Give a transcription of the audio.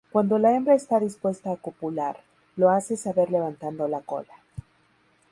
Cuando la hembra está dispuesta a copular, lo hace saber levantando la cola.